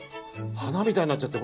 花みたいになっちゃって。